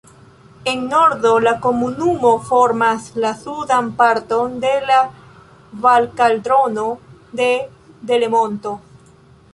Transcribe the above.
En nordo la komunumo formas la sudan parton de la Valkaldrono de Delemonto.